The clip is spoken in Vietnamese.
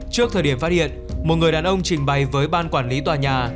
trước thời điểm phát hiện một người đàn ông trình bày với ban quản lý tòa nhà